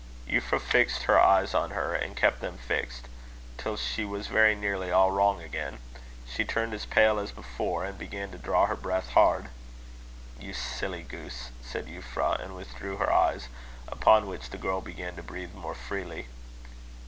Euphra fixed her eyes on her, and kept them fixed, till she was very nearly all wrong again. She turned as pale as before, and began to draw her breath hard. "You silly goose!" said Euphra, and withdrew her eyes; upon which the girl began to breathe more freely.